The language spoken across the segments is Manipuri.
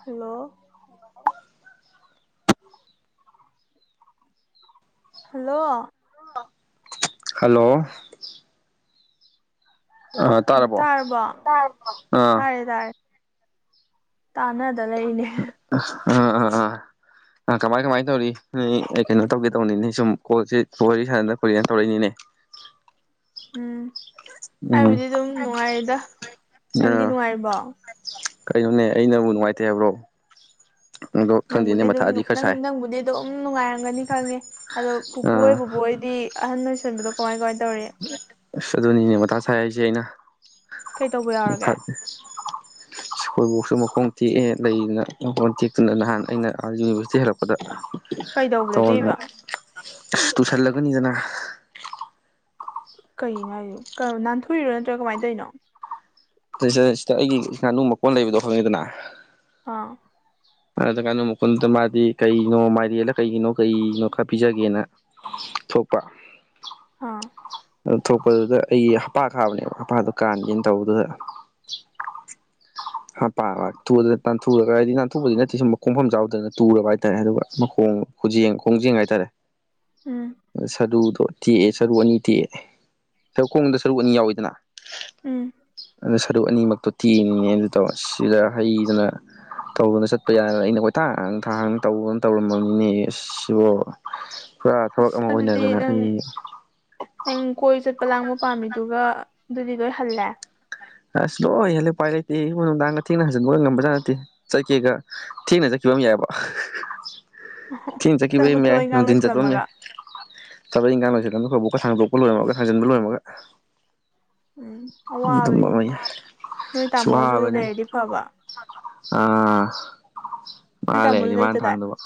ꯍꯜꯂꯣ ꯍꯜꯂꯣ ꯍꯜꯂꯣ ꯑ ꯇꯥꯔꯕꯣ ꯇꯥꯔꯕꯣ ꯇꯥꯔ‌ꯦ ꯑꯥ ꯇꯥꯔꯦ ꯇꯥꯔꯦ ꯇꯥꯟꯅꯗ ꯂꯩꯅꯦ ꯑꯥ ꯑꯥ ꯑꯥ ꯑ ꯀꯃꯥꯏ ꯀꯃꯥꯏꯅ ꯇꯧꯔꯤ ꯅ‌ꯣꯏ ꯑ ꯀꯩꯅꯣ ꯇꯧꯒꯦ ꯇꯧꯕꯅꯤꯅꯦ ꯁꯨꯝ ꯀꯣꯜꯁ‌ꯦ ꯀꯣꯜ ꯋꯥꯔꯤ ꯁꯟꯅꯗ ꯀꯨꯏꯔ‌ꯦꯅ ꯇꯧꯔꯛꯏꯅꯤꯅꯦ [inaudible] ꯎꯝ ꯎꯝ ꯑꯩꯕꯨꯗꯤ ꯑꯗꯨꯝ ꯅꯨꯡꯉꯥꯏꯔꯤꯗ ꯅꯪꯗꯤ ꯑ ꯅꯨꯡꯉꯥꯏꯔꯤꯕꯣ ꯀꯩꯅꯣꯅꯦ ꯑꯩꯅꯕꯨ ꯅꯨꯡꯉꯥꯏꯇꯦ ꯍꯥꯏꯕ꯭ꯔꯣ ꯑꯗꯣ ꯈꯪꯗꯦꯅꯦ ꯅꯪꯕꯨꯗꯤ ꯑꯗꯨꯝ ꯃꯊꯥꯗꯤ ꯅ‌ꯣꯛ ꯈꯔ ꯅꯪ ꯁꯥꯏ ꯅꯪꯕꯨꯗꯤ ꯑꯗꯨꯝ ꯅꯨꯡꯉꯥꯏꯔꯝꯒꯅꯤ ꯈꯪꯉꯦ ꯑꯗꯣ ꯄꯨꯄꯨ ꯍ‌ꯣꯏ ꯑꯥ ꯕꯨꯕ‌ꯣꯛ ꯍ‌ꯣꯏꯗꯤ ꯗꯤ ꯑꯍꯟ ꯑꯣꯏꯁꯤꯟꯕꯗ‌ꯣ ꯑꯁ ꯑꯗꯨꯅꯤꯅꯦ ꯃꯊꯥ ꯁꯥꯏ ꯍꯥꯏꯁꯦ ꯑꯩꯅ ꯀꯩ ꯇꯧꯕ ꯌꯥꯎꯔꯒꯦ ꯈꯣꯏ ꯕ‌ꯣꯛꯁꯨ ꯃꯈꯣꯡ ꯇꯦꯛꯑꯦ ꯂꯩꯗꯅ ꯃꯈꯣꯡ ꯇꯦꯛꯇꯨꯅ ꯅꯍꯥꯟ ꯑꯩꯅ ꯑꯥ ꯌꯨꯅꯤꯚꯔꯁꯤꯇꯤ ꯍꯦꯜꯂꯛꯄꯗ ꯀꯩꯗꯧꯕꯗ ꯇ‌ꯣꯟ ꯇꯦꯛꯏꯕ ꯑꯁ ꯇꯨꯁꯜꯂꯒꯅꯤꯗꯅ ꯀ ꯍꯥꯏꯔꯤ ꯅꯥꯟꯊꯣꯛꯏꯔꯣ ꯅꯠꯇ꯭ꯔꯥ ꯀꯃꯥꯏꯅ ꯇꯧꯔꯤꯅꯣ ꯁꯤꯗ ꯁꯤꯗ ꯑꯩꯒꯤ ꯉꯥꯅꯨ ꯃꯀꯣꯟ ꯂꯩꯕꯗꯣ ꯈꯪꯉꯤꯗꯅ ꯑ ꯑꯗꯨ ꯀꯩꯅꯣ ꯃꯈꯨꯟꯗꯨꯗ ꯃꯥꯗꯤ ꯀꯩꯅꯣ ꯃꯥꯏꯔꯦꯜꯂ ꯀꯩꯒꯤꯅꯣ ꯀꯩꯅꯣ ꯈꯔ ꯄꯤꯖꯒꯦꯅ ꯊꯣꯛꯄ ꯑꯥ ꯑꯗꯨ ꯊꯣꯛꯄꯗꯨꯗ ꯑꯩꯒꯤ ꯍꯄꯥ ꯈꯥꯕꯅꯦꯕ ꯍꯄꯥꯗꯨ ꯀꯥꯟꯒꯦꯅ ꯇꯧꯕꯗꯨꯗ ꯍꯥ ꯄ ꯊꯗ꯭ꯔꯦ ꯊꯒꯅ [unintelligible] ꯑꯇꯨꯞꯄꯗꯤ ꯅꯠꯇꯦ ꯁꯨꯝ ꯈꯣꯡꯐꯝ ꯆꯥꯎꯕꯗꯅ ꯇꯨꯔꯕ ꯍꯥꯏꯇꯥꯔꯦ ꯑꯗꯨꯒ ꯃꯈꯣꯡ ꯈꯨꯖ ꯈꯣꯡꯖꯦꯡ ꯍꯥꯏꯇꯥꯔꯦ ꯎꯝ ꯁꯗꯨꯗꯣ ꯇꯦꯛꯑꯦ ꯁꯔꯨ ꯑꯅꯤ ꯇꯦꯛꯑꯦ ꯁꯔ ꯈꯣꯡꯗ ꯁꯔꯨꯛ ꯑꯅꯤ ꯌꯥꯎꯋꯤꯗꯅ ꯎꯝ ꯑꯗꯨꯗ ꯁꯔꯨꯛ ꯑꯅꯤꯃꯛꯇꯣ ꯊꯤꯅꯤꯡꯉꯦꯅ ꯑꯗꯨ ꯇꯧ ꯁꯤꯗ ꯍꯩꯗꯅ ꯇꯧꯕꯅ ꯆꯠꯄ ꯌꯥꯔ ꯑꯩꯅ ꯀꯣꯏꯊꯥꯡꯥꯡ ꯊꯥꯡꯥꯡ ꯇꯧꯕꯅ ꯇꯧꯔꯝꯃꯅꯤꯅꯦ ꯁꯤꯕꯨꯣ ꯄꯨꯔꯥ ꯊꯕꯛ ꯑꯁ ꯑꯃ ꯑꯗꯨꯗꯤ ꯑꯣꯏꯅꯗꯅ ꯅꯪ ꯑꯩ ꯄ ꯂꯥꯡꯕ ꯄꯥꯝꯃꯤꯗꯨꯒ ꯑꯗꯨꯗꯤ ꯂꯣꯏ ꯍꯜꯂꯦ ꯑꯁ ꯂꯣꯏ ꯍꯜꯂꯦꯄꯥꯏ ꯂꯩꯇꯦ ꯑꯩ ꯅꯨꯡꯗꯥꯡꯒ ꯊꯦꯡꯅ ꯍꯖꯤꯟꯕꯒ ꯉꯝꯕꯖꯥꯠ ꯅꯠꯇꯦ ꯆꯠꯀꯦꯒ ꯊꯦꯡꯅ ꯆꯠꯀ ꯐꯤꯕꯝ ꯌꯥꯏꯑꯕ ꯊꯤꯅ ꯆꯠꯈꯤꯕꯩ ꯊꯕꯛ ꯌꯥꯏ ꯏꯪꯈꯥꯡ ꯅꯨꯡꯊꯤꯟ ꯆꯠꯄ ꯑꯃ ꯂꯣꯏꯁꯤꯜꯂꯝꯃꯒ ꯌꯥꯏ ꯊꯕꯛ ꯏꯪꯈꯥꯡ ꯂꯣꯏꯁꯤꯗ ꯑꯃ ꯈ ꯑꯩꯈꯣꯏ ꯁꯥꯡꯗꯣꯛꯄ ꯂꯣꯏꯔꯝꯃꯒ ꯊꯥꯡꯖꯟꯕ ꯂꯣꯏꯔꯝꯃꯒ ꯎꯝ ꯑꯗꯨꯝꯕꯃ ꯑꯋꯥꯕꯅꯤ ꯅꯣꯏ ꯇꯥꯃꯣꯁꯨ ꯁꯍꯕꯅꯤ ꯂꯩꯔꯗꯤ ꯐꯕ ꯑꯥ ꯃꯥ ꯅꯣꯏ ꯇꯥꯃꯣꯁꯨ ꯂꯩꯔꯗꯤ ꯃꯥꯅ ꯂꯩꯇꯗꯥꯏ ꯊꯥꯡꯗꯕ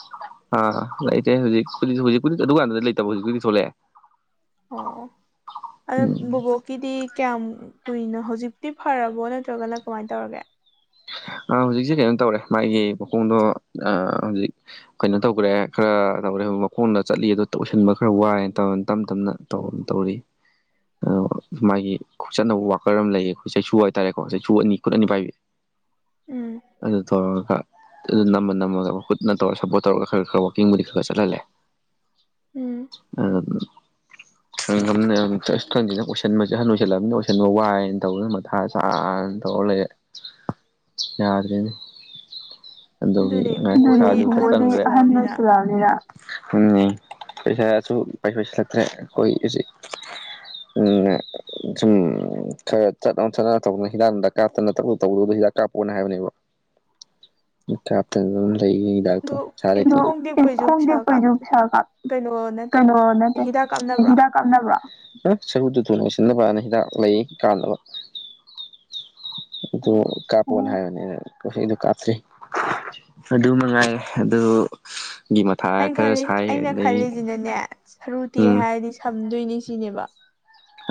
ꯑꯥ ꯂꯩꯇꯦ ꯍꯧꯖꯤꯛ ꯍꯧꯖꯤꯛꯨꯗꯤ ꯑꯗꯨꯗꯨꯀꯥꯟꯗꯗꯤ ꯂꯩꯇꯕ ꯍꯧꯖꯤꯛꯛꯇꯨꯗꯤ ꯊꯣꯛꯂꯛꯑꯦ ꯑꯣ ꯎꯝ ꯑ ꯕꯀꯤꯗꯤ ꯀꯌꯥꯝ ꯀꯨꯏꯅꯣ ꯍꯧꯖꯤꯛꯇꯤ ꯐꯔꯕꯣ ꯅꯠꯇ꯭ꯔꯒꯅ ꯀꯃꯥꯏꯅ ꯇꯧꯔꯒꯦ ꯍ [unintelligible] ꯍꯧꯖꯤꯛꯁꯦ ꯀꯩꯅꯣ ꯇꯧꯔꯦ ꯃꯥꯒꯤ ꯃꯈꯣꯡꯗꯣ ꯍꯧꯖꯤꯛ ꯀꯩꯅꯣ ꯇꯧꯈ꯭ꯔꯦ ꯈꯔ ꯇꯧꯔꯦ ꯃꯈꯣꯡꯗ ꯆꯠꯂꯤ ꯑ ꯎꯁꯟꯕ ꯈꯔ ꯋꯥꯏꯅ ꯇꯧ ꯇꯞ ꯇꯞꯅ ꯇꯧ ꯇꯧꯔꯤ ꯃꯥꯒꯤ ꯆꯠꯅꯕ ꯋꯥꯀꯔ ꯑꯃ ꯂꯩꯌꯦ ꯑꯩꯈꯣꯏ ꯆꯩꯁꯨ ꯍꯥꯏꯇꯥꯔꯦꯀꯣ ꯆꯩꯁꯨꯨ ꯑꯅꯤ ꯈꯨꯠ ꯑꯅꯤ ꯄꯥꯏꯕꯤ ꯎꯝ ꯑꯗꯨ ꯇꯣ ꯈ ꯑꯗꯨ ꯅꯝꯕꯃ ꯅꯝꯃꯒ ꯈꯨꯨꯠꯅ ꯇꯧꯔꯒ ꯁꯞꯄꯣꯔꯠ ꯇꯧꯔꯒ ꯈꯔ ꯈꯔ ꯋꯥꯛꯀꯤꯡꯕꯨꯗꯤ ꯈꯔ ꯈꯔ ꯆꯠꯍꯜꯂꯦ ꯎꯝ ꯑ ꯅꯟꯕꯁꯦ ꯍꯟ ꯑꯣꯏꯁꯜꯂꯕꯅꯤꯅ ꯑꯣꯏꯁꯟꯕ ꯋꯥꯏꯅ ꯇꯧꯅ ꯃꯊꯥ ꯆꯥ ꯇꯧ ꯍꯜꯒ ꯌꯥꯔꯗꯅꯤ ꯑꯗꯨꯅꯦ ꯕꯣꯕꯣꯏꯗꯤ ꯑꯗꯨ ꯑꯍꯟ ꯑꯣꯏꯁꯜꯂꯛꯑꯕꯅꯤꯅ [inaudible] ꯎꯝ ꯄꯩꯁꯥꯁꯨ ꯄꯩꯁꯥ ꯄꯥꯏꯁꯜꯂꯛꯇ꯭ꯔꯦ ꯑꯩꯈꯣꯏ ꯍꯧꯖꯤꯛ ꯎꯝ ꯁꯨꯝ ꯈꯔ ꯆꯠꯅ ꯆꯠꯅꯅ ꯇꯧꯅ ꯍꯤꯗꯥꯛ ꯍꯛ ꯀꯥꯞꯅ ꯇ ꯇꯧꯔꯗꯣ ꯍꯤꯗꯥꯛ ꯀꯥꯞꯄꯣꯅ ꯍꯥꯏꯕꯅꯦꯕ ꯀꯥꯞꯇ ꯤꯣꯡ ꯑꯗꯣ ꯑꯦ ꯈꯣꯡ ꯇꯦꯛꯄꯩꯁꯨ ꯄꯩꯁꯥ ꯀꯥꯞ ꯀꯩꯅꯣ ꯅꯠꯇꯦ ꯀꯩꯅꯣ ꯅꯠꯇꯦ ꯍꯤꯗꯥꯛ ꯀꯥꯞꯅꯕ꯭ꯔꯣ ꯗ ꯀꯥꯞꯅꯕ꯭ꯔ ꯁꯔꯨꯗꯨ ꯊꯨ ꯂꯣꯏꯁꯤꯟꯅꯕꯅ ꯍꯤꯗꯥꯛ ꯂꯩ ꯀꯥꯟꯅꯕ ꯑꯗꯨ ꯑꯣ ꯀꯥꯄꯣꯟꯥꯏ ꯍꯥꯏꯕꯥꯅꯦ ꯑꯩꯅꯦ ꯀꯩꯗꯣ ꯀꯥꯞꯇ꯭ꯔꯤ ꯑꯗꯨ ꯃꯉꯥꯏ ꯑꯗꯨ ꯑꯩꯅ ꯈꯜꯂꯤ ꯑꯩꯅ ꯈꯜꯂꯤꯁꯤꯅꯅꯦ ꯁꯔꯨꯇꯤ ꯎꯝ ꯍꯥꯏꯔꯗꯤ ꯁꯝ ꯑꯗꯨꯏꯅꯤ ꯁꯤꯅꯦꯕ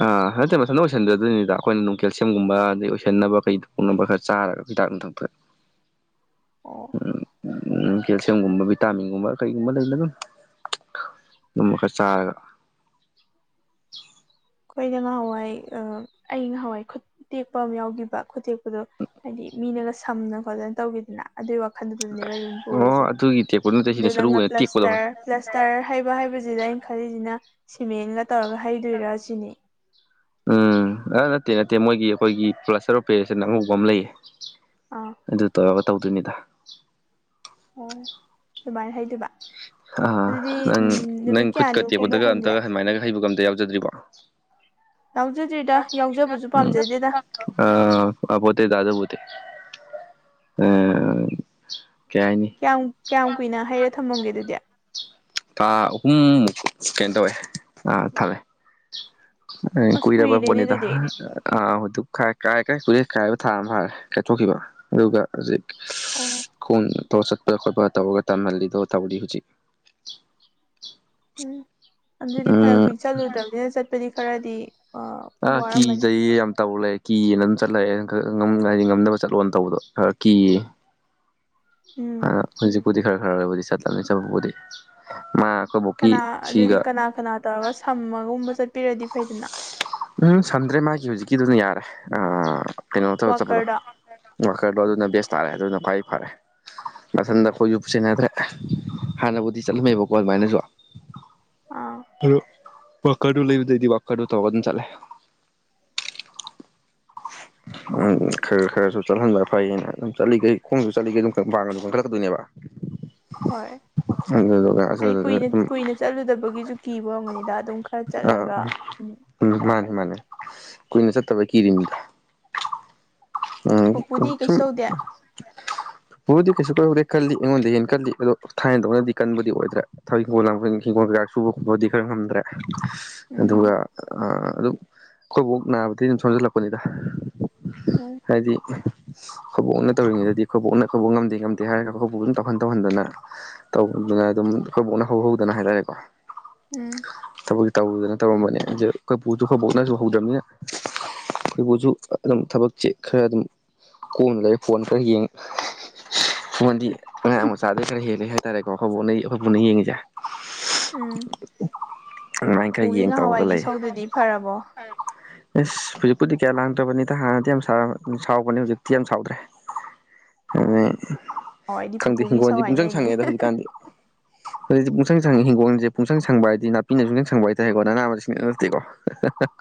ꯑꯥ ꯅꯠꯇꯦ ꯃꯊꯟꯗ ꯑꯣꯏꯁꯟꯗꯗꯣꯏꯅꯤꯗ ꯑꯩꯈꯣꯏꯅ ꯅꯨꯡ ꯀꯦꯜꯁꯤꯌꯝꯒꯨꯝꯕ ꯑꯗꯩ ꯑꯣꯏꯁꯟꯅꯕ ꯀꯩꯗ ꯄꯣꯛꯅꯕ ꯈꯔ ꯆꯥꯔꯒ ꯗꯥꯛ ꯊꯪꯄ ꯑꯣ ꯎꯝ ꯎ ꯎꯝ ꯀꯦꯜꯁꯤꯌꯝꯒꯨꯝꯕ ꯚꯤꯇꯥꯃꯤꯟꯒꯨꯝꯕ ꯀꯩꯒꯨꯝꯕ ꯂꯩꯅ ꯑꯗꯨꯅꯤ ꯅꯃꯀ ꯆꯥꯔꯒ ꯑꯩꯈꯣꯏꯅ ꯉꯍꯥꯟꯋꯥꯏ ꯑꯩ ꯉꯍꯋꯥꯏ ꯈꯨꯇꯦꯛꯄ ꯑꯃ ꯌꯥꯎꯈꯤꯕ ꯈꯨꯇꯦꯛ ꯗꯣ ꯍꯥꯏꯗꯤ ꯃꯤꯅꯒ ꯁꯝꯅ ꯈꯣꯠꯠꯇꯅ ꯇꯧꯈꯤꯗꯅ ꯑꯗꯨꯒꯤ ꯋꯥꯈꯟꯗꯨ ꯑꯗꯨꯅꯦꯕ ꯑꯩ ꯑꯗꯨꯝ ꯑꯣ ꯄꯨꯔꯤꯁꯦ ꯑꯗꯨꯒꯤ ꯇꯦꯛꯄ ꯅꯠꯇꯦ ꯑꯗꯨ ꯁꯤꯅ ꯁꯔꯨ ꯅꯪꯅ ꯑꯣꯏꯅ ꯇꯦꯛꯄꯗꯣ ꯍꯣꯏ ꯄ꯭ꯂꯁꯇꯔ ꯄ꯭ꯂꯁꯇꯔ ꯍꯥꯏꯕ ꯍꯥꯏꯕꯁꯤꯗ ꯑꯩꯅ ꯈꯜꯂꯤꯁꯤꯅ ꯁꯤꯃꯦꯟꯒ ꯇꯧꯔꯒ ꯍꯩꯗꯣꯏꯔꯥ ꯁꯤꯅꯤ ꯎꯝ ꯑ ꯅꯠꯇꯦ ꯅꯠꯇꯦ ꯃꯣꯏꯒꯤ ꯑꯩꯈꯣꯏꯒꯤ ꯄ꯭ꯂꯁꯇꯔ ꯑꯣ ꯄꯦꯔꯦꯁꯟ ꯑꯉꯧꯕ ꯑꯃ ꯂꯩꯌꯦ ꯑꯥ ꯑꯗꯨ ꯇꯧ ꯇꯧꯗꯣꯏꯅꯤꯗ ꯑꯣ ꯑꯗꯨꯃꯥꯏ ꯍꯥꯏꯩꯗꯨꯕ ꯑ ꯅꯪ ꯅꯪ ꯈꯨꯠꯀ ꯀꯌꯥꯅꯤꯃꯨꯛꯀꯨꯝꯕ ꯇꯦꯛꯄꯗꯒ ꯊꯝꯒꯦ ꯑꯝꯇꯒ ꯁꯃꯥꯏꯅꯒ ꯍꯩꯕꯒ ꯑꯝꯇ ꯌꯥꯎꯖꯗ꯭ꯔꯤꯕꯣ [unintelligible] ꯌꯥꯎꯖꯗ꯭ꯔꯤꯗ ꯎꯝ ꯌꯥꯎꯖꯕꯁꯨ ꯄꯥꯝꯖꯗꯦꯗ ꯑ ꯃꯥ ꯄꯠꯇ ꯇꯥꯗ ꯄꯇ ꯎꯝ ꯌꯥꯝ ꯀꯌꯥꯝ ꯀꯨꯏꯅ ꯍꯩꯔ ꯊꯝꯃꯝꯒꯦ ꯑꯗꯨꯗꯤ ꯊꯥ ꯑꯍꯨꯝꯃꯨꯛ ꯀꯩꯅꯣ ꯇꯧꯋꯦ ꯑ ꯊꯜꯂꯦ ꯑꯁ ꯀꯨꯏꯔꯔꯕ ꯀꯨꯏꯔꯦꯅꯦ ꯄꯅꯤꯗ ꯑꯗꯨꯗꯤ ꯑ ꯍꯣꯏ ꯈꯥꯏ ꯀꯥꯏ ꯀꯥꯏ ꯀꯨꯏꯦ ꯑꯥꯏꯕ ꯊꯥ ꯑꯃ ꯐꯥꯔꯦ ꯀꯥꯏꯊꯣꯛꯈꯤꯕ ꯑꯗꯨꯒ ꯍꯧꯖꯤꯛ ꯑꯣ ꯈꯣꯡ ꯊꯧꯔ ꯆꯠꯄ ꯈꯠꯄ ꯈꯣꯠꯄ ꯇꯧꯔꯒ ꯇꯝꯍꯜꯂꯤꯗꯣ ꯇꯧꯔꯤ ꯍꯧꯖꯤꯛ ꯎꯝ ꯑꯗꯨꯗꯤ ꯐꯅ ꯎꯝ ꯀꯨꯏ ꯆꯠꯂꯨꯗ꯭ꯔꯕꯅꯤꯅ ꯆꯠꯄꯗꯤ ꯈꯔꯗꯤ ꯑ ꯑ ꯀ ꯋꯥꯔꯝꯃꯅꯤ ꯇꯌꯦ ꯌꯥꯝ ꯇꯕꯨ ꯂꯩ ꯀꯤꯌꯦꯅ ꯑꯗꯨꯝ ꯆꯠꯂꯛꯑꯦ ꯍꯥꯏꯗꯤ ꯉꯝꯗꯅꯕ ꯆꯠꯂꯣꯅ ꯇꯧꯕꯗꯣ ꯈꯔ ꯀꯤꯌꯦ ꯎꯝ ꯍꯧ ꯀꯣꯗꯤ ꯈꯔ ꯈꯔ ꯑꯣꯏꯗꯤ ꯆꯠꯂꯝ ꯆꯗꯤ ꯃꯥ ꯀꯅꯥ ꯑꯩꯈꯣꯏꯕꯣꯛꯀꯤ ꯑꯗꯨꯗꯤ ꯁꯤꯒ ꯀꯅꯥ ꯀꯅꯥ ꯇꯧꯔꯒ ꯁꯝꯃꯒꯨꯝꯕ ꯆꯠꯄꯤꯔꯗꯤ ꯐꯩꯗꯅ ꯎꯝ ꯁꯝꯗ꯭ꯔꯦ ꯃꯥꯒꯤ ꯍꯧꯖꯤꯛꯀꯤꯗꯨꯅ ꯌꯥꯔꯦ ꯀꯩꯅꯣ ꯇꯧ ꯆꯠꯄꯗꯣ ꯋꯥꯀꯔꯗꯣ ꯋꯥꯀꯔꯗꯣ ꯑꯗꯨꯅ ꯕꯦꯁ ꯇꯥꯔꯦ ꯑꯗꯨꯅ ꯐꯩ ꯐꯔꯦ ꯃꯊꯟꯗ ꯑꯩꯈꯣꯏ ꯌ ꯄꯨꯁꯦꯅꯗ꯭ꯔꯦ ꯍꯥꯟꯅꯕꯨꯗꯤ ꯆꯠꯂꯝꯃꯦꯕꯀꯣ ꯑꯗꯨꯃꯥꯏꯅꯁꯨ ꯑꯥ ꯑꯗꯨ ꯋꯥꯀꯔꯗꯨ ꯂꯩꯕꯗꯩꯗꯤ ꯋꯥꯀꯔꯗꯨ ꯇꯧ ꯑꯗꯨꯝ ꯆꯠꯂꯦ [unintelligible] ꯎ ꯈꯔ ꯈꯔꯁꯨ ꯆꯠꯍꯟꯕ ꯐꯩꯌꯦꯅ ꯑꯗꯨꯝ ꯆꯠꯂꯤꯈꯩ ꯈꯣꯡꯁꯨ ꯆꯠꯂꯤꯈꯩ ꯑꯗꯨꯝ ꯈ ꯄꯥꯡꯉ ꯑꯗꯨꯝ ꯀꯟꯈꯠꯀꯗꯣꯏꯅꯦꯕ ꯍꯣꯏ ꯍꯥꯏꯗꯤ ꯀꯨꯏꯅ ꯑꯗꯨꯝ ꯀꯨꯏꯅ ꯆꯠꯂꯨꯗꯕꯒꯤꯁꯨ ꯀꯤꯕ ꯉꯝꯒꯅꯤꯗ ꯑꯗꯨꯝ ꯈꯔ ꯆꯠꯂꯒ ꯎꯝ ꯀꯩꯅꯣ ꯃꯥꯅꯦ ꯇꯧꯔꯛꯀꯅꯤ ꯃꯥꯅꯦ ꯀꯨꯏꯅ ꯆꯠꯇꯕ ꯀꯤꯔꯤꯅꯤꯗ ꯑ ꯄꯨꯄꯨꯗꯤ ꯀꯩꯁꯨ ꯇꯧꯗꯦ ꯀꯁꯤ ꯀ ꯀꯜꯂꯤ ꯑꯩꯉꯣꯟꯗ ꯍꯦ ꯀꯜꯂꯤ ꯑꯗꯣ ꯊꯥꯏꯅꯗꯧꯅꯗꯤ ꯀꯟꯕꯗꯤ ꯑꯣꯏꯗ꯭ꯔꯥ ꯊꯛꯤꯡꯣꯜ ꯂꯥꯡꯟ ꯍꯤꯡꯒꯣꯜꯩꯔ ꯆꯨ ꯈꯣꯠꯄꯗꯤ ꯈꯔ ꯉꯝꯗ꯭ꯔꯦ ꯑꯗꯨꯒ ꯎꯝ ꯑꯗꯨꯝ ꯑꯩꯈꯣꯏꯐꯥꯎ ꯅꯥꯕꯗꯤ ꯑꯗꯨꯝ ꯁꯣꯝꯖꯜꯂꯛꯄꯅꯤꯗ ꯎꯝ [unintelligible] ꯑꯩꯈꯣꯏꯕꯣꯛꯛꯅ ꯇꯧꯔꯤꯉꯩꯗꯗꯤ ꯑꯩꯈꯣꯏꯕꯣꯛꯛꯅ ꯈꯨꯣꯏꯕꯣꯛ ꯉꯝꯗꯦ ꯉꯝꯗꯦ ꯍꯥꯏꯔꯒ ꯑꯩꯣꯏꯥꯎ ꯑꯗꯨꯝ ꯇꯧꯍꯟ ꯇꯧꯍꯟꯗꯅ ꯇꯧꯕꯗꯨꯅ ꯑꯗꯨꯝ ꯑꯩꯣꯏꯕꯣꯛꯅ ꯍꯧꯍꯧꯗꯅ ꯍꯥꯏꯇꯥꯔꯦꯀꯣ ꯎꯝ ꯊꯕꯛꯁ ꯇꯧꯗꯅ ꯇꯧꯔꯝꯕꯅꯦ ꯑꯗꯨ ꯑꯩꯈꯣꯏꯕꯨꯁꯨ ꯍꯧꯕꯣꯛꯅꯁꯨ ꯍꯧꯗ꯭ꯔꯕꯅꯤꯅ ꯑꯩꯈꯣꯏꯕꯨꯁꯨ ꯑꯗꯨꯝ ꯊꯕꯛ ꯆꯦ ꯈꯔ ꯑꯗꯨꯝ ꯀꯣꯅ ꯂꯩ ꯐꯣꯟ ꯈꯔ ꯌꯦꯡꯉ ꯍꯉꯣꯟꯗꯤ ꯑꯉꯥꯡ ꯃꯆꯥꯗꯩ ꯈꯔ ꯍꯦꯜꯂꯦ ꯍꯥꯏꯇꯥꯔꯦꯀꯣ ꯑꯩꯈꯣꯏ ꯄꯨꯅ ꯑꯩꯈꯣꯏ ꯄꯨꯟꯅ ꯌꯦꯡꯉꯤꯁꯦ ꯎꯝ ꯑꯗꯨꯃꯥꯏꯅ ꯈꯔ ꯎꯄꯨꯒꯤ ꯌꯦꯡ ꯇꯧꯔꯒ ꯉꯍꯥꯟꯋꯥꯏꯒꯤ ꯁꯧꯗꯨꯗꯤ ꯐꯔꯕꯣ ꯏꯁꯁ ꯍꯧꯖꯤꯛꯄꯨꯗꯤ ꯀꯌꯥ ꯂꯥꯡꯗ꯭ꯔꯕꯅꯤꯗ ꯍꯥꯟꯅꯗꯤ ꯌꯥꯝ ꯁꯥꯎꯕꯅꯦ ꯍꯧꯖꯤꯛꯇꯤ ꯌꯥꯝ ꯁꯥꯎꯗ꯭ꯔꯦ ꯑꯣ ꯑ ꯍꯋꯥꯏꯗꯤ ꯈꯪꯗꯦ ꯄꯨꯄꯨꯒꯤ ꯍꯤꯡꯒꯣꯜꯁ ꯏꯁꯧ ꯄꯨꯡꯆꯪ ꯍꯥꯏꯅꯩꯅꯦ ꯁꯪꯉꯛꯑꯦꯗ ꯍꯧꯖꯤꯛꯀꯥꯟꯗꯤ ꯍꯧꯖꯤꯛꯇꯗꯤ ꯄꯨꯡꯁꯪ ꯁꯪꯉ ꯍꯤꯡꯒꯣꯜꯁꯦ ꯄꯨꯡꯁꯪ ꯁꯪꯕ ꯍꯥꯏꯗꯤ ꯅꯥꯄꯤꯅ ꯁꯨꯡꯁꯪ ꯁꯪꯕ ꯍꯥꯏꯇꯥꯔꯦꯀꯣ ꯅꯅꯥ ꯃꯁꯤꯡꯁꯤꯡ ꯅꯠꯇꯦꯀꯣ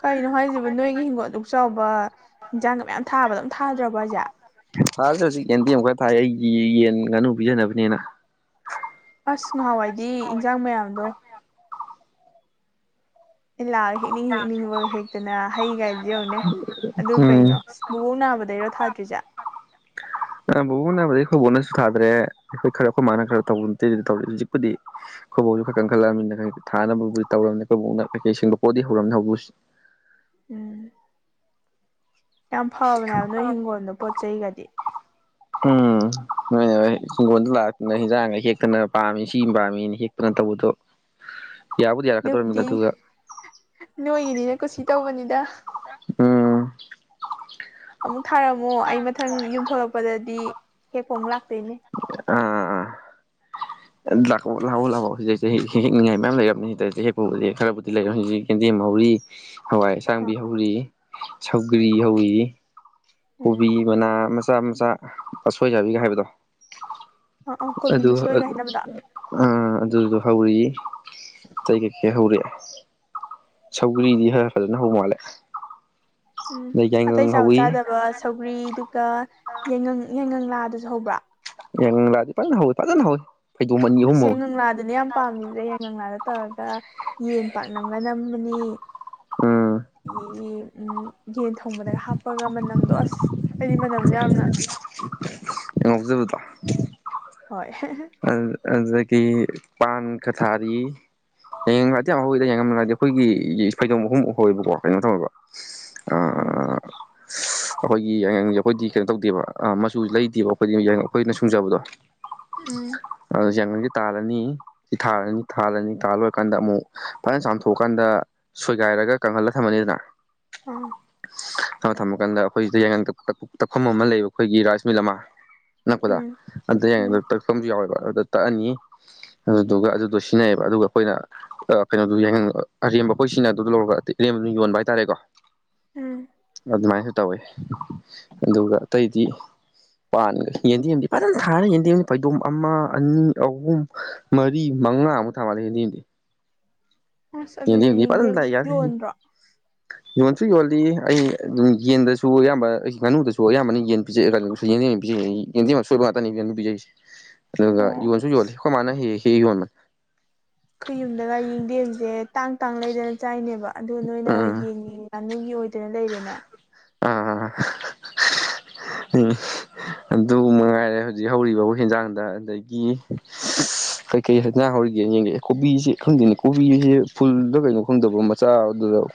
ꯀꯩꯅꯣ ꯍꯥꯏꯁꯤꯕꯨ ꯅꯣꯏꯒꯤ ꯍꯤꯡꯒꯣꯜ ꯛ ꯆꯥꯎꯕ ꯏꯟꯖꯥꯡꯒ ꯃꯌꯥꯝ ꯊꯥꯕꯗ ꯊꯥꯁ ꯍꯧꯖꯤꯛ ꯌꯦꯟꯗꯤꯤ ꯑꯃꯨꯛ ꯈꯔ ꯊꯥꯏ ꯑꯩꯒꯤ ꯌꯦꯟ ꯉꯥꯅꯨ ꯄꯤꯖꯅꯕꯅꯦꯅ ꯑꯁ ꯉꯍꯥꯟꯋꯥꯏꯗꯤ ꯏꯟꯖꯥꯡ ꯃꯌꯥꯝꯗꯣ ꯏꯂ ꯍꯦꯛꯅꯤ ꯍꯦꯅꯤ ꯍꯦꯛꯇꯅ ꯍꯩꯒꯥꯏ ꯌꯧꯅꯦ ꯑꯗꯨ ꯀꯩꯅꯣ ꯎꯝ ꯕꯨꯕꯣꯛ ꯅꯥꯕꯗꯩꯔꯣ ꯊꯥꯗ꯭ꯔꯤꯁꯦ ꯕꯣ ꯅꯥꯕꯗꯤ ꯑꯩꯈꯣꯏ ꯕꯠꯅꯁꯨ ꯊꯥꯗ꯭ꯔꯦ ꯑꯩꯈꯣꯏ ꯈꯔ ꯑꯩꯈꯣꯏ ꯃꯥꯅ ꯈꯔ ꯇꯧꯕ ꯅꯠꯇꯦ ꯑꯗꯨꯗꯤ ꯇꯧꯔꯤ ꯍꯧꯖꯤꯛꯄꯨꯗꯤ ꯑꯩꯈꯣꯏꯕꯨꯥꯎꯁꯨ ꯈꯔ ꯀꯟ ꯈꯠꯂꯕꯅꯤꯅ ꯊꯥꯅꯕꯕꯨꯗꯤ ꯇꯧꯔꯝꯅꯤꯅ ꯑꯩꯣꯏꯕꯣꯛꯅ ꯀꯩꯀꯩ ꯁꯤꯡꯕ ꯄꯣꯠꯗꯤ ꯍꯧꯔꯔꯕꯝꯅꯤ ꯍꯧꯕ ꯎꯝ ꯌꯥꯝ ꯐꯕꯅꯦꯕ ꯅꯣꯏ ꯍꯤꯡꯒꯣꯜꯗꯣ ꯄꯣꯠ ꯆꯩꯒꯗꯤ ꯎꯝ ꯅꯣꯏ ꯍꯤꯡꯒꯣꯜꯗ ꯂꯥꯛꯇꯅ ꯍꯤꯟꯖꯥꯡꯒ ꯍꯦꯛꯇꯅ ꯄꯥꯝꯃꯤ ꯁꯤ ꯄꯥꯝꯃꯤꯅ ꯍꯦꯛꯇꯅ ꯇꯧꯕ ꯑꯗꯨꯗ ꯑꯗꯨꯕꯨꯗꯤ ꯅꯣꯏꯒꯤꯅꯤꯅ ꯀꯨꯁꯤ ꯇꯧꯕꯅꯤꯗ ꯎꯝ ꯑꯃꯨꯛ ꯊꯥꯔꯝꯃꯣ ꯑꯩ ꯃꯊꯪ ꯌꯨꯝꯊꯣꯔꯛꯄꯗꯗꯤ ꯍꯦ ꯐꯣꯝ ꯂꯥꯛꯇꯅꯦ ꯑ ꯑ ꯂꯥꯛ ꯂꯥꯛꯑꯣ ꯂꯥꯛꯑꯣꯣ ꯁꯤꯗꯁꯦ ꯍꯅꯤꯡꯉꯥꯏ ꯃꯌꯥꯝ ꯂꯩꯅꯤꯗ ꯍꯦꯛ ꯈꯔꯕꯨꯗꯤ ꯂꯩꯔ ꯍꯧꯧꯔꯤ ꯍꯋꯥꯏ ꯑꯥ ꯑꯁꯥꯡꯕꯤ ꯍꯧꯔꯤ ꯁꯧꯒꯔꯤ ꯍꯧꯋ ꯎꯝ ꯀꯣꯕꯤ ꯃꯅꯥ ꯃꯆꯥ ꯃꯆꯥ ꯑꯁꯣꯏꯖꯕꯤꯒ ꯍꯥꯏꯕꯗꯣ ꯑꯥ ꯑꯥ ꯑ ꯀꯣꯕꯤ ꯃꯁꯣꯏꯒ ꯍꯥꯏꯅꯕꯗꯣ ꯑ ꯑꯗꯨꯗ ꯍꯧꯔꯛ ꯑꯇꯩ ꯀꯩꯀꯩ ꯍꯧꯔꯛꯑꯦ ꯁꯧꯒ꯭ꯔꯤꯗꯤ ꯈꯔ ꯐꯖꯅ ꯍꯧ ꯃꯥꯜꯂꯦ ꯎꯝ ꯑꯗꯩ ꯑꯇꯩ ꯌꯥꯏꯉꯪ ꯆꯥꯕ ꯍꯧꯋꯤ ꯆꯥꯗꯕ ꯁꯧꯒ꯭ꯔꯤ ꯑꯗꯨꯒ ꯌꯥꯏꯉꯪ ꯌꯥꯏꯉꯪ ꯂꯥꯛꯑ ꯑꯗꯨꯁꯨ ꯍꯧꯕ꯭ꯔꯥ ꯏꯪꯪꯂꯥꯗꯤ ꯐꯅ ꯍꯧꯏ ꯐꯖꯅ ꯍꯧꯏ ꯑꯁ ꯌꯥꯏꯉꯪꯂꯥꯗꯨꯅꯦ ꯌꯥꯝ ꯄꯥꯝꯃꯤꯖꯦ ꯌꯥꯏꯉꯪꯂꯥꯗ ꯇꯧꯔꯒ ꯌꯦꯟ ꯄꯥꯛꯅꯝꯒ ꯅꯝꯃꯅꯤ ꯎꯝ ꯎꯝ ꯌꯦꯟ ꯊꯣꯡꯕꯗꯒ ꯍꯥꯞꯄꯒ ꯃꯅꯝꯗꯣ ꯑꯁ ꯑꯩꯗꯤ ꯃꯅꯝꯗꯨ ꯌꯥꯝꯅ ꯉꯥꯎꯖꯕꯗꯣ ꯍꯣꯏ ꯑ ꯑꯗꯨꯗꯒꯤ ꯄꯥꯟ ꯈꯔ ꯊꯥꯔꯤ ꯌꯥꯡꯉꯪꯂꯥꯗꯤ ꯌꯥꯝ ꯍꯧꯋꯤꯗ ꯌꯥꯡꯉꯪ ꯃꯅꯥꯗꯤ ꯍꯥꯏꯗꯤ ꯑꯩꯈꯣꯏꯒꯤ ꯐꯩꯗꯣꯝ ꯑꯍꯨꯝꯃꯨꯛ ꯍꯧꯋꯦꯕꯀꯣ ꯀꯩꯅꯣ ꯇꯧꯔꯕ ꯎꯝ ꯑꯩꯈꯣꯏꯒꯤ ꯌꯥꯏꯉꯪ ꯑꯩꯈꯣꯏꯗꯤ ꯀꯩꯅꯣ ꯇꯧꯗꯦꯕ ꯑ ꯃꯆꯨ ꯂꯩꯗꯦꯕ ꯑꯩꯈꯣꯏꯗꯤ ꯌꯥꯏꯉꯪ ꯑꯩꯈꯣꯏꯅ ꯁꯨꯡꯖꯕꯗꯣ ꯎꯝ ꯑ ꯌꯥꯏꯉꯪꯒꯤ ꯇꯥꯜꯂꯅꯤ ꯁꯤ ꯊꯥꯜꯔꯅꯤ ꯊꯥꯜꯂꯅꯤ ꯇꯥꯜꯂꯣꯏꯔꯀꯥꯟꯗ ꯑꯃꯨꯛ ꯐꯖꯅ ꯆꯥꯝꯊꯣꯛꯑꯀꯥꯟꯗ ꯁꯣꯏꯒꯥꯏ ꯔꯒ ꯀꯪꯍꯜꯂ ꯊꯝꯃꯅꯤꯗꯅ ꯑꯥ ꯑꯃ ꯊꯝꯃꯀꯥꯟꯗ ꯑꯩꯈꯣꯏꯁꯤꯗ ꯌꯥꯏꯉꯪ ꯇꯛ ꯇꯛꯐꯝ ꯑꯃ ꯂꯩꯕ ꯑꯩꯈꯣꯏꯒꯤ ꯔꯥꯏꯁ ꯃꯤꯜ ꯑꯃ ꯅꯛꯄꯗ ꯎꯝ ꯑꯗ ꯌꯥꯏꯉꯪ ꯎꯝ ꯑꯗꯨ ꯇꯛꯄꯝꯖꯨ ꯌꯥꯎꯋꯦꯕ ꯑꯗꯨꯗ ꯇꯛꯑꯅꯤ ꯑꯗꯨꯗꯨꯒ ꯑꯗꯨꯗꯣ ꯁꯤꯖꯤꯟꯅꯩꯌꯦꯕ ꯑꯗꯨꯒ ꯑꯩꯈꯣꯏꯅ ꯀꯩꯅꯣꯗꯨꯣ ꯌꯥꯏꯉꯪ ꯑꯔꯦꯝꯕ ꯑꯩꯈꯣꯏ ꯁꯤꯖꯤꯟꯅꯗꯧꯗꯨ ꯂꯧꯔꯒ ꯗꯤ ꯑꯔꯦꯝ ꯕꯗꯨꯅ ꯌꯣꯟꯕ ꯍꯥꯏꯇꯥꯔꯦꯀꯣ ꯎꯝ ꯑꯗꯨꯃꯥꯏꯁꯨ ꯇꯧꯋꯦ ꯑꯗꯨꯒ ꯑꯇꯩꯗꯤ ꯄꯥꯟꯒꯔ꯭ꯦ ꯌꯦꯟꯗꯦꯝꯗꯤ ꯐꯖꯅ ꯊꯥꯔꯦ ꯌꯦꯟꯗꯦꯝꯗꯤ ꯐꯩꯗꯣꯝ ꯑꯃ ꯑꯅꯤ ꯑꯍꯨꯝ ꯃꯔꯤ ꯃꯉꯥꯃꯨꯛ ꯊꯥ ꯃꯥꯜꯂꯦ ꯌꯦꯟꯗꯦꯝꯗꯤ ꯑꯁ ꯑꯗꯨꯗꯤ ꯌꯦꯟꯗꯦꯝꯗꯤ ꯐꯖꯅ ꯌꯦꯡꯗꯦꯝ ꯊꯥꯏ ꯌꯣꯟꯗ꯭ꯔꯣ [unintelligible] ꯌꯣꯟꯁꯨ ꯌꯣꯜꯂꯤ ꯑꯩ ꯑꯗꯨꯝ ꯌꯦꯟꯗꯁꯨ ꯑꯌꯥꯝꯕ ꯑꯩꯒꯤ ꯉꯥꯨꯗꯁꯨ ꯑꯌꯥꯝꯕꯅ ꯌꯦꯟ ꯄꯤꯖꯩ [unintelligible] [unintelligible] ꯌꯦꯟꯗꯦꯝ ꯑꯁꯣꯏꯕ ꯉꯥꯛꯇꯅꯤ ꯉꯥꯅꯨ ꯄꯤꯖꯩꯁꯦ ꯑꯗꯨꯒ ꯑꯣ ꯌꯣꯟꯁꯨ ꯌꯣꯜꯂꯤ ꯑꯩꯈꯣꯏ ꯃꯥꯅ ꯍꯦꯛ ꯍꯦꯛ ꯍꯦꯛꯑ ꯌꯣꯟꯕ ꯑꯩꯈꯣꯏ ꯌꯨꯝꯗꯒ ꯌꯦꯡꯗꯦꯝꯁꯦ ꯇꯥꯡ ꯇꯥꯡ ꯂꯩꯗꯅ ꯆꯥꯏꯅꯦꯕ ꯑꯗꯨ ꯅꯣꯏꯅ ꯎꯝ ꯌꯦꯟꯒꯤ ꯉꯥꯅꯨꯒꯤ ꯑꯣꯏꯗꯅ ꯂꯩꯔꯦꯅꯦ ꯑꯥ ꯑꯗꯨ ꯃꯉꯥꯏꯔꯦ ꯍꯧꯖꯤꯛ ꯍꯧꯔꯤꯕꯕꯨ ꯍꯦꯟꯖꯥꯡꯗ ꯑꯗꯒꯤ ꯀꯩ ꯀꯩ ꯍꯦꯟꯖꯥꯡ ꯍꯧꯔꯤꯒꯦꯅ ꯌꯦꯡꯒ ꯑꯦ ꯀꯣꯕꯤꯁꯤ ꯈꯪꯗꯦꯅꯦ ꯀꯣꯕꯤꯁꯦ ꯐꯨꯜꯗ ꯀꯩꯅꯣ ꯈꯪꯗꯕ ꯃꯆꯥ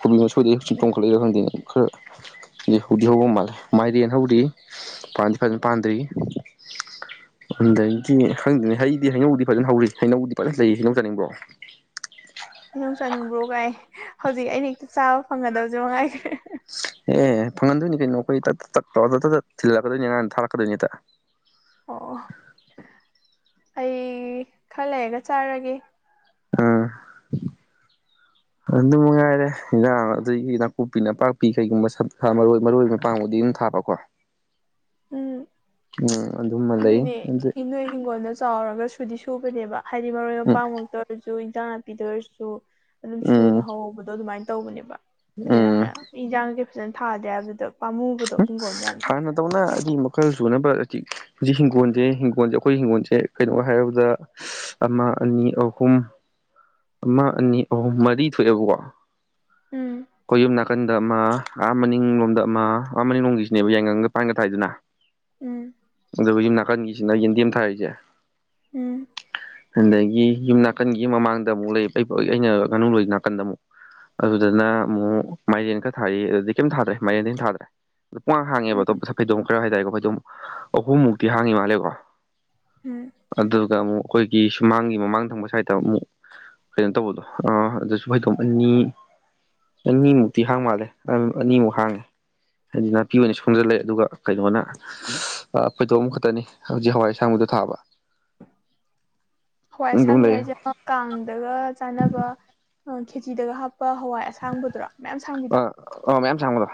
ꯀꯣꯕꯤ ꯃꯁꯣꯏꯗꯩ ꯆꯣꯡꯈꯠꯂꯤꯔ ꯍꯪꯗꯦ ꯈꯔꯗꯤ ꯍꯧꯗꯤ ꯍꯧꯕ ꯃꯥꯜꯦ ꯃꯥꯏꯔꯦꯟ ꯍꯧꯔꯤ ꯄꯥꯟꯗꯤ ꯐꯖ ꯄꯥꯟꯗꯔꯤ ꯑꯗꯩꯒꯤ ꯈꯪꯗꯅꯤ ꯍꯩꯗꯤ ꯍꯩꯅꯧꯗꯤ ꯐꯖꯅ ꯍꯧꯔꯤ ꯍꯩꯅꯧꯗꯤ ꯐꯖꯅ ꯂꯩ ꯍꯩꯅꯧ ꯆꯥꯅꯤꯡꯕꯔꯣ [unintelligible] ꯍꯩꯅꯧ ꯆꯥꯅꯤꯡꯕ꯭ꯔꯣ ꯀꯥꯏ ꯍꯧꯖꯤꯛ ꯑꯩꯅ ꯍꯦꯛꯇ ꯆꯥꯕ ꯐꯪꯒꯗꯕꯖꯦ ꯃꯉꯥꯏꯒꯔ꯭ꯦ ꯑꯦ ꯐꯪꯍꯟꯗꯣꯏꯅꯤ ꯀꯩꯅꯣ ꯑꯩꯈꯣꯏ ꯇ ꯇꯠ ꯇꯧꯗ ꯇꯠ ꯊꯤꯜꯂꯛꯀꯗꯣꯏꯅꯤ ꯅꯍꯥꯟꯅ ꯊꯥꯔꯛꯀꯗꯣꯏꯅꯤ ꯍꯦꯛꯇꯥ ꯑꯣ ꯑꯩ ꯈꯔ ꯂꯩꯔꯒ ꯆꯥꯔꯒꯦ ꯑꯥ ꯑꯗꯨ ꯃꯉꯥꯏꯔꯦ ꯏꯟꯖꯥꯡ ꯑꯗꯒꯤ ꯅꯥꯀꯨꯞꯄꯤ ꯅꯥꯄꯥꯛꯄꯤ ꯀꯩꯒꯨꯝꯕ ꯁꯥ ꯃꯔꯣꯏ ꯃꯔꯣꯏ ꯃꯄꯥꯡꯕꯨꯗꯤ ꯊꯥꯕꯀꯣ ꯎꯝ ꯎꯝ ꯑꯗꯨꯃ ꯂꯩ ꯑꯗꯨꯅꯦ ꯑꯗꯩ ꯅꯣꯏ ꯍꯤꯡꯒꯣꯜꯗ ꯆꯥꯎꯔꯛ ꯒ ꯁꯨꯗꯤ ꯁꯨꯕꯅꯦꯕ ꯍꯥꯏꯗꯤ ꯃꯔꯣꯏ ꯎꯝ ꯃꯄꯥꯡꯃꯛꯇ ꯑꯣꯏꯔꯁꯨ ꯏꯟꯖꯥꯡ ꯅꯥꯄꯤꯗ ꯑꯣꯏꯔꯁꯨ ꯑꯗꯨꯝ ꯎꯝ ꯁꯨꯅ ꯍꯍꯧꯕꯗꯣ ꯑꯗꯨꯃꯥꯏ ꯇꯧꯕꯅꯦꯕ ꯑꯗꯩ ꯎꯝ ꯅꯪꯅ ꯏꯟꯖꯥꯡ ꯐꯖꯅ ꯊꯥꯗꯦ ꯍꯥꯏꯕꯗꯨꯗ ꯄꯥꯝꯃꯨꯕꯗꯣ ꯎ ꯍꯤꯡꯒꯣꯜꯗ ꯌꯥꯝꯅ ꯍꯥꯟꯅꯗꯧꯅ ꯑꯅꯤ ꯃꯈꯜ ꯁꯨꯅꯕ ꯍꯧꯖꯤꯛ ꯍꯧꯖꯤꯛ ꯍꯤꯡꯒꯣꯜꯁꯦ ꯍꯤꯡꯒꯣꯜꯁꯦ ꯑꯩꯈꯣꯏ ꯍꯤꯡꯒꯣꯜꯁꯦ ꯀꯩꯅꯣ ꯍꯥꯏꯔꯕꯗ ꯑꯃ ꯑꯅꯤ ꯑꯍꯨꯝ ꯑꯃ ꯑꯅꯤ ꯑꯍꯨꯝ ꯃꯔꯤ ꯊꯣꯛꯑꯦꯕꯀꯣ ꯎꯝ ꯀꯑꯣꯌꯨꯝ ꯅꯥꯀꯟꯗ ꯑꯃ ꯑꯥ ꯃꯅꯤꯡꯂꯣꯝꯗ ꯑꯃ ꯑꯥ ꯃꯅꯤ ꯅꯣꯡꯒꯤꯁꯤꯅꯦꯕ ꯌꯥꯏꯉꯪꯒ ꯄꯥꯟꯒ ꯊꯥꯏꯗꯅ ꯎꯝ ꯑꯗꯨꯒ ꯌꯨꯝ ꯅꯥꯀꯟꯒꯤꯁꯤꯅ ꯌꯦꯟꯗꯦꯝ ꯊꯥꯔꯤꯖꯦ ꯎꯝ ꯑꯗꯒꯤ ꯌꯨꯝ ꯅꯥꯀꯟꯒꯤ ꯃꯃꯥꯡꯗ ꯑꯃꯨꯛ ꯂꯩ ꯑꯩꯅ ꯉꯥꯅꯨ ꯂꯣꯏꯔꯤ ꯅꯥꯀꯟꯗ ꯑꯃꯨꯛ ꯑꯗꯨꯗꯨꯅ ꯑꯃꯨꯛ ꯃꯥꯏꯔꯦꯟ ꯈ ꯊꯥꯔꯤ ꯑꯗꯨꯗꯤ ꯀꯩꯝ ꯊꯥꯗ꯭ꯔꯦ ꯃꯥꯏꯔꯦꯟꯗꯒꯤꯝ ꯊꯥꯗ꯭ꯔꯦ ꯄꯨꯡ ꯍꯥꯡꯉꯦꯕ ꯎꯝ ꯑꯇꯣꯞ ꯐꯩꯗꯣꯝ ꯈꯔ ꯍꯥꯏꯇꯥꯔꯦꯀꯣ ꯐꯩꯗꯣꯝ ꯑꯍꯨꯝ ꯃꯃꯨꯛꯇꯤ ꯍꯥꯡꯉꯤ ꯃꯥꯜꯂꯦꯀꯣ ꯎꯝ ꯑꯗꯨꯒ ꯑꯃꯨꯛ ꯑꯩꯈꯣꯏꯒꯤ ꯁꯨꯃꯥꯡꯒꯤ ꯃꯃꯥꯡ ꯊꯪꯕ ꯁꯥꯏꯠꯇ ꯑꯃꯨꯛ ꯀꯩꯅꯣ ꯇꯧꯕꯗꯣ ꯑ ꯑꯗꯨꯁꯨ ꯍꯩꯗꯣꯝ ꯑꯅꯤ ꯑꯅꯤꯃꯨꯛꯇꯤ ꯍꯥꯡ ꯃꯥꯜꯂꯦ ꯑꯅꯤꯃꯨꯛ ꯍꯥꯡꯉꯦ ꯍꯥꯏꯗꯤ ꯅꯥꯄꯤ ꯑꯣꯏꯅ ꯁꯣꯝꯖꯜꯂꯛꯦ ꯑꯗꯨꯒ ꯀꯩꯅꯣꯅ ꯄꯩꯊꯣꯛ ꯑꯃꯈꯛꯇꯅꯤ ꯍꯧꯖꯤꯛ ꯍꯋꯥꯏꯁꯥꯡꯕꯕꯨꯗ ꯊ ꯑꯕ ꯍꯋꯥꯏ ꯑꯁꯥꯡꯅꯤ ꯍꯥꯏꯁꯦ ꯑꯃ ꯀꯥꯡꯗꯒ ꯆꯥꯅꯕ ꯈꯦꯆꯤꯗꯒ ꯍꯥ ꯑꯄ ꯍꯋꯥꯏ ꯑꯁꯥꯡꯕꯗꯨꯔꯥ ꯃꯌꯥꯝ ꯁꯥꯡꯕꯤꯗ ꯥꯡꯕꯗꯣ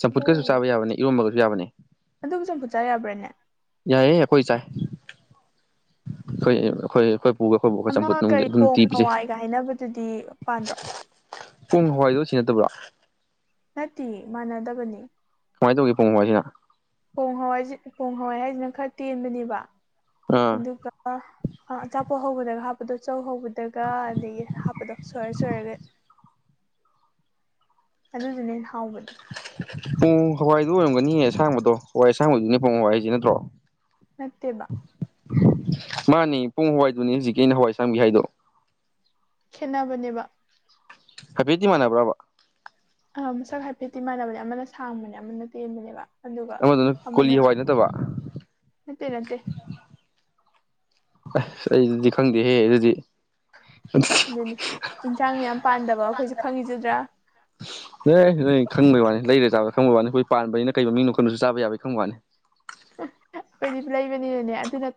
ꯆꯝꯐꯨꯠꯀꯁꯨ ꯆꯥꯕ ꯌꯥꯕꯅꯦ ꯏꯔꯣꯝꯕꯒꯁꯨ ꯌꯥꯕꯅꯤ ꯑꯗꯨ ꯁꯨꯝ ꯄꯨꯠꯆ ꯌꯥꯕ꯭ꯔꯥꯅꯦ ꯌꯥꯏ ꯍꯈꯣꯏ ꯆꯥꯏ ꯑꯩꯈꯣꯏ ꯑꯩꯈꯣꯏ ꯑꯩꯈꯣꯏ ꯄꯨꯒ ꯑꯩꯈꯣꯏꯕꯨ ꯑꯩꯈ ꯑꯃ ꯆꯝꯐꯨꯠ ꯅꯨꯡꯗꯤ ꯀꯔꯤ ꯑꯗꯨꯝ ꯄꯣꯡ ꯇꯤꯕꯁꯩ ꯍꯋꯥꯏꯒ ꯍꯥꯏꯅꯕꯗꯨꯗꯤ ꯄꯥꯟꯗ꯭ꯔꯣ ꯄꯨꯡ ꯍꯋꯥꯏꯗꯣ ꯁꯤ ꯅꯠꯇꯕ꯭ꯔꯣ ꯅꯠꯇꯦ ꯃꯥꯟꯅꯗꯕꯅꯤ ꯀꯃꯥꯏꯅ ꯇꯧꯒꯦ ꯄꯨꯡ ꯃꯣꯏꯁꯤꯅ ꯍꯣꯡ ꯍꯋꯥꯏꯁꯤ ꯍꯣꯡ ꯍꯋꯥꯏ ꯍꯥꯏꯁꯤꯅ ꯈꯔ ꯇꯦꯟꯕꯅꯦꯕ ꯑꯥ ꯑꯗꯨꯒ ꯑꯆꯥꯄꯣꯠ ꯍꯧꯕꯗꯒ ꯍꯥꯞꯄꯗꯣ ꯆꯧ ꯍꯧꯕꯗ ꯑꯗꯨꯒ ꯑꯗꯒꯤ ꯍꯥꯞꯄꯗꯣ ꯁ ꯆꯔꯒ ꯑꯗꯨꯗꯨꯅꯦ ꯑꯩꯅ ꯍꯥꯎꯕꯅꯤ ꯎ ꯍꯋꯥꯏꯗꯨꯣ ꯑꯣꯏꯔꯝꯒꯅꯤꯌꯦ ꯑꯁꯥꯡꯕꯗꯣ ꯍꯋꯥꯏ ꯑꯁꯥꯡꯕꯗꯨꯅꯦ ꯄꯨꯡ ꯍꯋꯥꯏꯁꯦ ꯅꯠꯇ꯭ꯔꯣ ꯅꯠꯇꯦꯕ ꯃꯥꯅꯤ ꯄꯨꯡ ꯍꯋꯥꯏꯗꯨꯅꯤ ꯍꯧꯖꯤꯛꯀꯤ ꯑꯩꯅ ꯍꯋꯥꯏ ꯆꯥꯝꯕꯤꯦ ꯍꯥꯏꯗꯣ ꯈꯦꯠꯟꯅꯅꯕꯅꯦꯕ ꯍꯥꯏꯐꯦꯠꯗꯤ ꯏꯃꯥꯟꯅꯕ꯭ꯔꯕ ꯑ ꯃꯁꯛ ꯍꯥꯏꯐꯦꯠꯇ ꯏꯃꯥꯟꯅꯕꯅꯦ ꯑꯃꯅ ꯁꯥꯡꯕꯅꯦ ꯑꯃꯅ ꯇꯦꯟꯕꯅꯦꯕ ꯑꯗꯨꯒ ꯑꯃꯗꯨꯅ ꯀꯣꯂꯤ ꯑꯃꯅ ꯍꯋꯥꯏ ꯅꯠꯇꯕ ꯅꯠꯇꯦ ꯅꯠꯇꯦ ꯑꯁ ꯑꯩꯗꯤ ꯈꯪꯗꯦꯍꯦꯦ ꯑꯗꯨꯗꯤ ꯑꯗꯨꯅꯤ ꯏꯟꯁꯥꯡ ꯃꯌꯥꯝ ꯄꯥꯟꯗꯕ ꯑꯩꯈꯣꯏꯁꯨ ꯈꯪꯉꯖꯗ꯭ꯔꯥ [unintelligible] ꯑꯦꯦ ꯅꯣꯏ ꯈꯪꯕꯩ ꯋꯥꯅꯤ ꯂꯩꯔꯦ ꯆꯥꯕ ꯈꯪꯕꯩ ꯋꯥꯅꯤ ꯑꯩꯈꯣꯏ ꯄꯥꯟꯕꯅꯤꯅ ꯀꯩ ꯃꯤꯅꯣ ꯀꯩꯅꯗꯁꯨ ꯆꯥꯕ ꯌꯥꯕꯒꯤ ꯈꯪꯕ ꯋꯥꯅꯤ [unintelligible] ꯑꯩꯈꯣꯏꯗꯤ ꯂꯩꯕꯅꯤꯅꯅꯦ ꯑꯗꯨꯅ